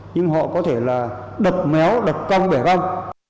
nhưng họ có thể là đập méo đập cong bẻ ong